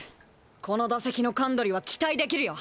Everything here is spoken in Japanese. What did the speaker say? この打席の関鳥は期待できるよ。